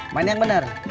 main yang bener